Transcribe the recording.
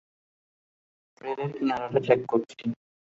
রেলের কিনারাটা চেক করছি।